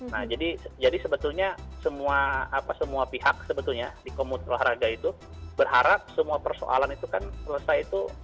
nah jadi sebetulnya semua pihak sebetulnya di komunitas olahraga itu berharap semua persoalan itu kan selesai itu